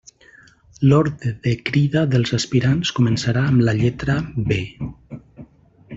L'ordre de crida dels aspirants començarà amb la lletra B.